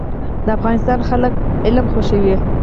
د افغانستان خلک علم خوښوي